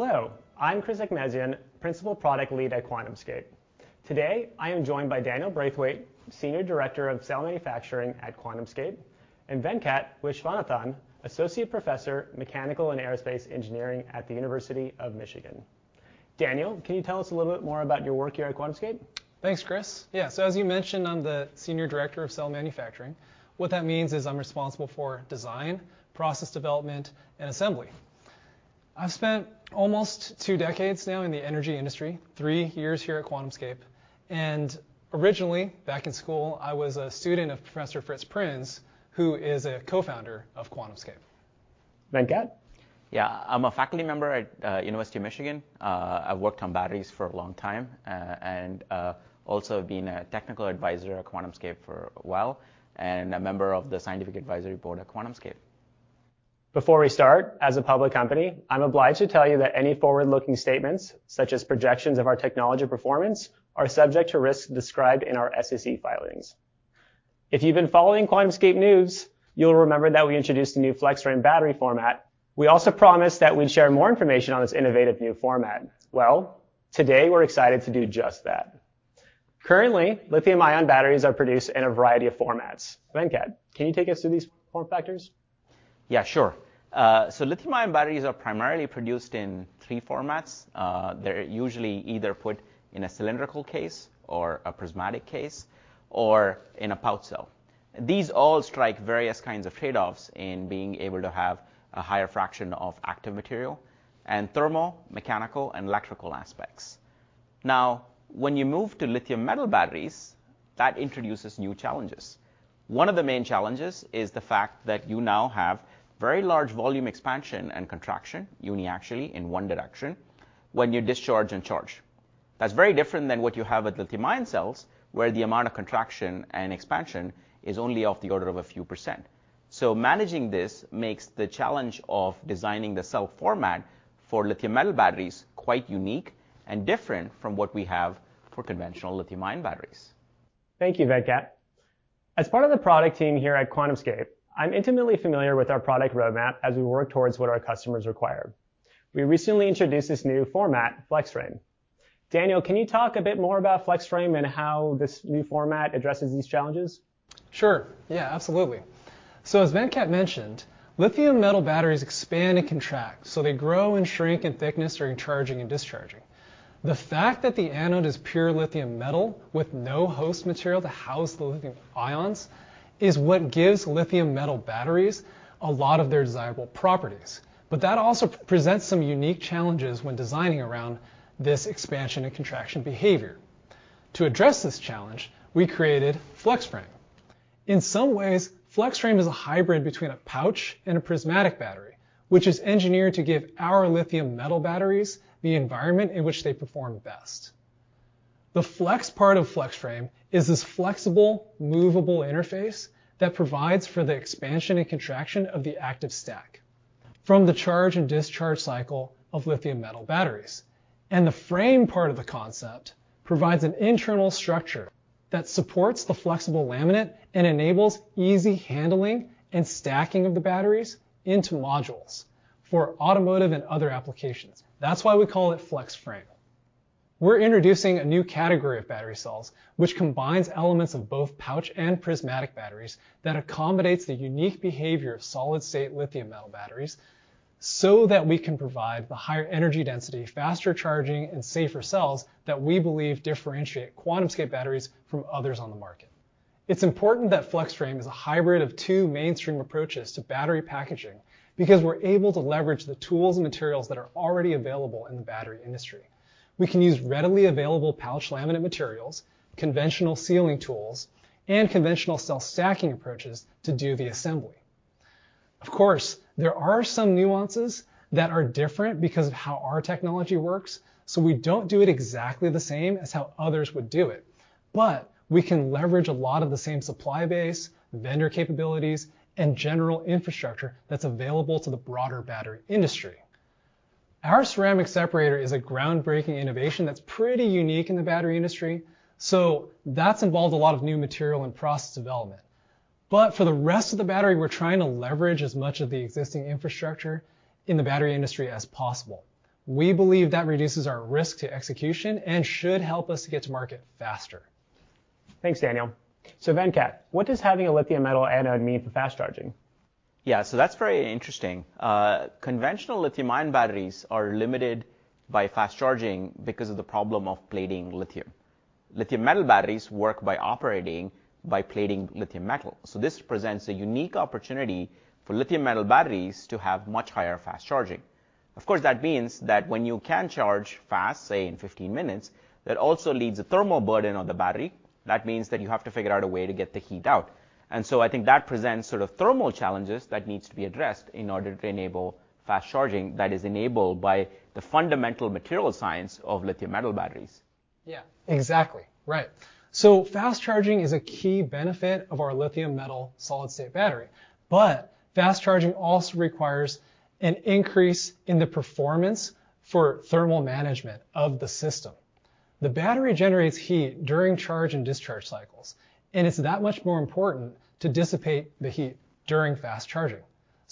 Hello. I'm Chris Egnesian, Principal Product Lead at QuantumScape. Today, I am joined by Daniel Braithwaite, Senior Director of Cell Manufacturing at QuantumScape, and Dr. Venkat Viswanathan, Associate Professor, Mechanical and Aerospace Engineering at the University of Michigan. Daniel, can you tell us a little bit more about your work here at QuantumScape? Thanks, Chris. Yeah, as you mentioned, I'm the Senior Director of Cell Manufacturing. What that means is I'm responsible for design, process development, and assembly. I've spent almost two decades now in the energy industry, three years here at QuantumScape. Originally, back in school, I was a student of Professor Fritz Prins, who is a co-founder of QuantumScape. Venkat? Yeah, I'm a faculty member at the University of Michigan. I've worked on batteries for a long time. I've also been a technical advisor at QuantumScape for a while, and a member of the Scientific Advisory Board at QuantumScape. Before we start, as a public company, I'm obliged to tell you that any forward-looking statements, such as projections of our technology performance, are subject to risks described in our SEC filings. If you've been following QuantumScape news, you'll remember that we introduced a new flex-frame battery format. We also promised that we'd share more information on this innovative new format. Today we're excited to do just that. Currently, lithium-ion batteries are produced in a variety of formats. Venkat, can you take us through these form factors? Yeah, sure. Lithium-ion batteries are primarily produced in three formats. They're usually either put in a cylindrical case, a prismatic case, or in a pouch cell. These all strike various kinds of trade-offs in being able to have a higher fraction of active material, and thermal, mechanical, and electrical aspects. When you move to lithium metal batteries, that introduces new challenges. One of the main challenges is the fact that you now have very large volume expansion and contraction, uniaxially, in one direction when you discharge and charge. That's very different than what you have with lithium-ion cells, where the amount of contraction and expansion is only of the order of a few %. Managing this makes the challenge of designing the cell format for lithium metal batteries quite unique and different from what we have for conventional lithium-ion batteries. Thank you, Venkat. As part of the product team here at QuantumScape, I'm intimately familiar with our product roadmap as we work towards what our customers require. We recently introduced this new format, flex-frame. Daniel, can you talk a bit more about flex-frame and how this new format addresses these challenges? Sure. Yeah, absolutely. As Venkat mentioned, lithium metal batteries expand and contract. They grow and shrink in thickness during charging and discharging. The fact that the anode is pure lithium metal with no host material to house the lithium ions is what gives lithium metal batteries a lot of their desirable properties. That also presents some unique challenges when designing around this expansion and contraction behavior. To address this challenge, we created flex-frame. In some ways, flex-frame is a hybrid between a pouch and a prismatic battery, which is engineered to give our lithium metal batteries the environment in which they perform best. The flex part of flex-frame is this flexible, movable interface that provides for the expansion and contraction of the active stack from the charge and discharge cycle of lithium metal batteries. The frame part of the concept provides an internal structure that supports the flexible laminate and enables easy handling and stacking of the batteries into modules for automotive and other applications. That's why we call it flex-frame. We're introducing a new category of battery cells, which combines elements of both pouch and prismatic batteries that accommodate the unique behavior of solid-state lithium metal batteries so that we can provide the higher energy density, faster charging, and safer cells that we believe differentiate QuantumScape batteries from others on the market. It's important that flex-frame is a hybrid of two mainDaniel Braithwaite Of course, there are some nuances that are different because of how our technology works. We don't do it exactly the same as how others would do it. We can leverage a lot of the same supply base, vendor capabilities, and general infrastructure that's available to the broader battery industry. Our ceramic separator is a groundbreaking innovation that's pretty unique in the battery industry. That's involved a lot of new material and process development. For the rest of the battery, we're trying to leverage as much of the existing infrastructure in the battery industry as possible. We believe that reduces our risk to execution and should help us to get to market faster. Thanks, Daniel. Venkat, what does having a lithium metal anode mean for fast charging? Yeah, so that's very interesting. Conventional lithium-ion batteries are limited by fast charging because of the problem of plating lithium. Lithium metal batteries work by operating by plating lithium metal. This presents a unique opportunity for lithium metal batteries to have much higher fast charging. Of course, that means that when you can charge fast, say in 15 minutes, that also leaves a thermal burden on the battery. That means that you have to figure out a way to get the heat out. I think that presents sort of thermal challenges that need to be addressed in order to enable fast charging that is enabled by the fundamental material science of lithium metal batteries. Yeah, exactly. Right. Fast charging is a key benefit of our lithium metal solid-state battery. Fast charging also requires an increase in the performance for thermal management of the system. The battery generates heat during charge and discharge cycles. It is that much more important to dissipate the heat during fast charging.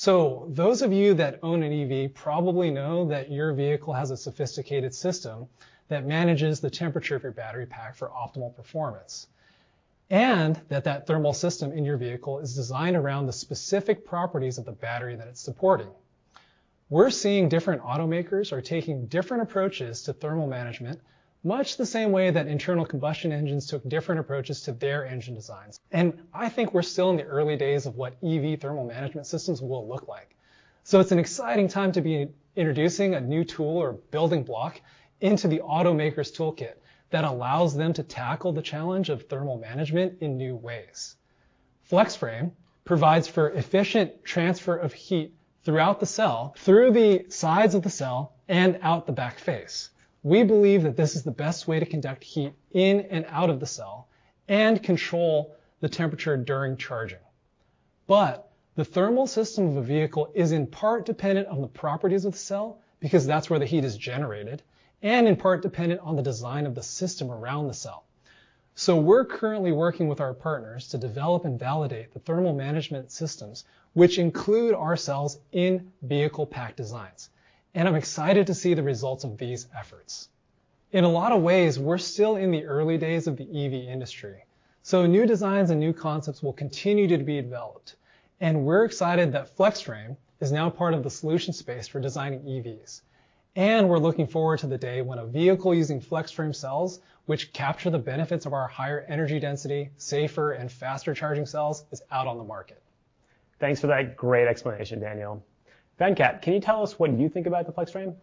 Those of you that own an EV probably know that your vehicle has a sophisticated system that manages the temperature of your battery pack for optimal performance. That thermal system in your vehicle is designed around the specific properties of the battery that it's supporting. We're seeing different automakers taking different approaches to thermal management, much the same way that internal combustion engines took different approaches to their engine designs. I think we're still in the early days of what EV thermal management systems will look like. It is an exciting time to be introducing a new tool or building block into the automaker's toolkit that allows them to tackle the challenge of thermal management in new ways. Flex-frame provides for efficient transfer of heat throughout the cell, through the sides of the cell, and out the back face. We believe that this is the best way to conduct heat in and out of the cell and control the temperature during charging. The thermal system of a vehicle is in part dependent on the properties of the cell, because that's where the heat is generated, and in part dependent on the design of the system around the cell. We're currently working with our partners to develop and validate the thermal management systems, which include our cells in vehicle pack designs. I'm excited to see the results of these efforts. In a lot of ways, we're still in the early days of the EV industry. New designs and new concepts will continue to be developed. We're excited that flex-frame is now part of the solution space for designing EVs. We're looking forward to the day when a vehicle using flex-frame cells, which capture the benefits of our higher energy density, safer, and faster charging cells, is out on the market. Thanks for that great explanation, Daniel. Venkat, can you tell us what you think about the flex-frame?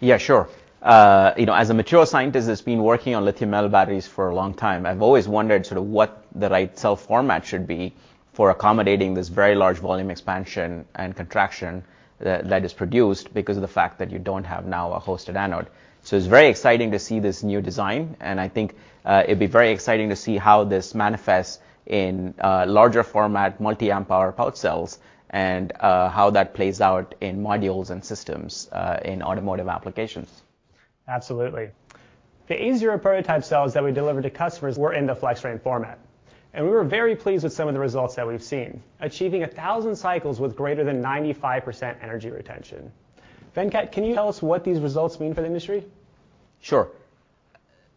Yeah, sure. You know, as a material scientist that's been working on lithium metal batteries for a long time, I've always wondered what the right cell format should be for accommodating this very large volume expansion and contraction that is produced because of the fact that you don't have now a hosted anode. It's very exciting to see this new design. I think it'd be very exciting to see how this manifests in larger format, multi-amp hour pouch cells, and how that plays out in modules and systems in automotive applications. Absolutely. The A0 prototype cells that we delivered to customers were in the flex-frame format. We were very pleased with some of the results that we've seen, achieving 1,000 cycles with greater than 95% energy retention. Venkat, can you tell us what these results mean for the industry? Sure.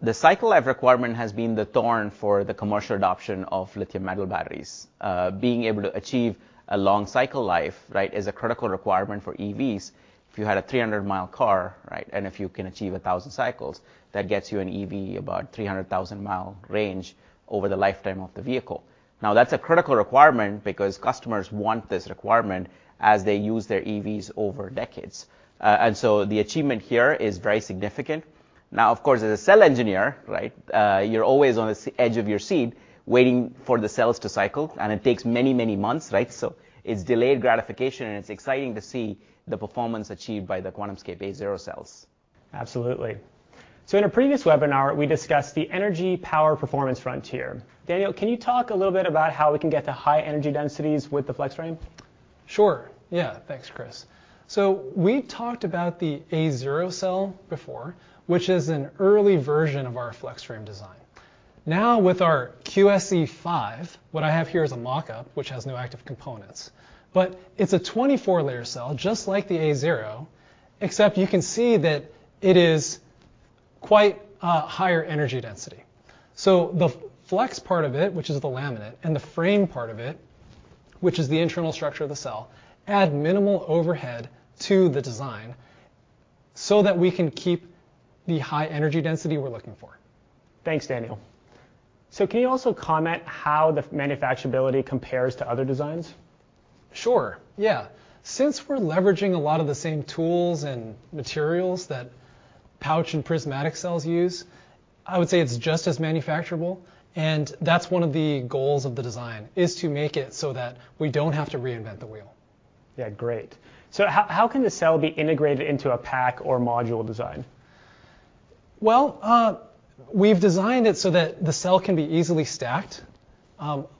The cycle life requirement has been the thorn for the commercial adoption of lithium metal batteries. Being able to achieve a long cycle life is a critical requirement for EVs. If you had a 300-mile car, and if you can achieve 1,000 cycles, that gets you an EV about 300,000-mile range over the lifetime of the vehicle. Now, that's a critical requirement because customers want this requirement as they use their EVs over decades. The achievement here is very significant. Of course, as a cell engineer, you're always on the edge of your seat waiting for the cells to cycle. It takes many, many months. It's delayed gratification. It's exciting to see the performance achieved by the QuantumScape A0 prototype cells. Absolutely. In a previous webinar, we discussed the energy power performance frontier. Daniel, can you talk a little bit about how we can get to high energy densities with the flex-frame? Sure. Yeah, thanks, Chris. We talked about the A0 prototype cells before, which is an early version of our flex-frame battery format. Now, with our QSC5 cell, what I have here is a mockup, which has no active components. It's a 24-layer cell, just like the A0 prototype cells, except you can see that it is quite higher energy density. The flex part of it, which is the laminate, and the frame part of it, which is the internal structure of the cell, add minimal overhead to the design so that we can keep the high energy density we're looking for. Thanks, Daniel. Can you also comment how the manufacturability compares to other designs? Sure, yeah. Since we're leveraging a lot of the same tools and materials that pouch and prismatic cells use, I would say it's just as manufacturable. One of the goals of the design is to make it so that we don't have to reinvent the wheel. Great. How can the cell be integrated into a pack or module design? The cell is designed so that it can be easily stacked,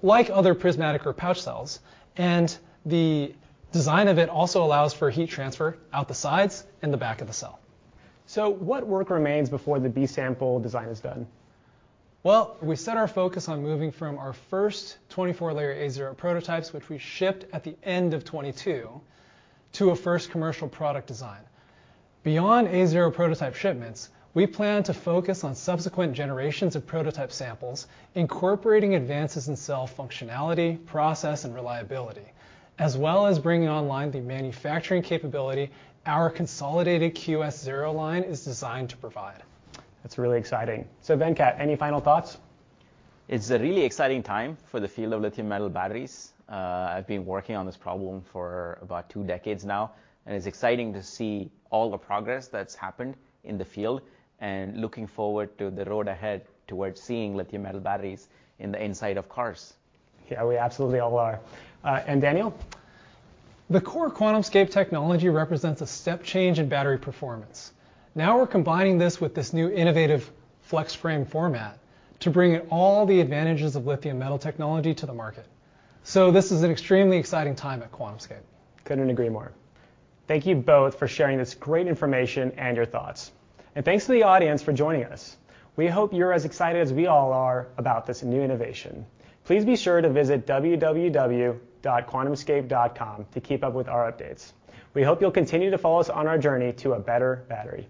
like other prismatic or pouch cells. The design of it also allows for heat transfer out the sides and the back of the cell. What work remains before the B sample design is done? We set our focus on moving from our first 24-layer A0 prototypes, which we shipped at the end of 2022, to a first commercial product design. Beyond A0 prototype shipments, we plan to focus on subsequent generations of prototype samples, incorporating advances in cell functionality, process, and reliability, as well as bringing online the manufacturing capability our consolidated QS0 line is designed to provide. That's really exciting. Venkat, any final thoughts? It's a really exciting time for the field of lithium metal batteries. I've been working on this problem for about two decades now. It's exciting to see all the progress that's happened in the field, and I'm looking forward to the road ahead towards seeing lithium metal batteries in the inside of cars. Yeah, we absolutely all are. Daniel? The core QuantumScape technology represents a step change in battery performance. Now we're combining this with this new innovative flex-frame format to bring all the advantages of lithium metal technology to the market. This is an extremely exciting time at QuantumScape. Couldn't agree more. Thank you both for sharing this great information and your thoughts. Thank you to the audience for joining us. We hope you're as excited as we all are about this new innovation. Please be sure to visit www.quantumscape.com to keep up with our updates. We hope you'll continue to follow us on our journey to a better battery.